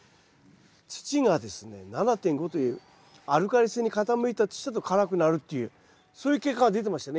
土がですね７．５というアルカリ性に傾いた土だと辛くなるっていうそういう結果が出てましたね